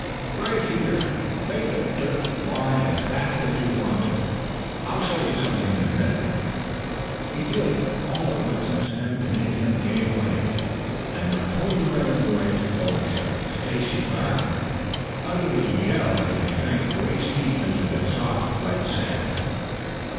"Right here. Make the dirt fly as fast as you want to. I'll show you something in a minute." He did. All at once the sand beneath them gave way, and the Pony Rider Boys, all except Stacy Brown, uttered a yell as they sank waist deep into a sink of soft, wet sand.